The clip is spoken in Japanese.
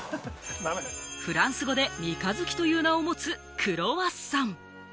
フランス語で三日月という名を持つクロワッサン。